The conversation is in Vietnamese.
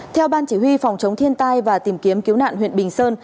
theo ban chỉ huy phòng chống thiên tai và tìm kiếm cứu nạn huyện bình sơn